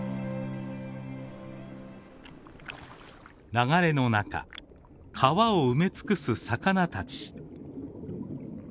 流れの中川を埋めつくす魚たち。